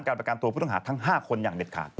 ประกันตัวผู้ต้องหาทั้ง๕คนอย่างเด็ดขาด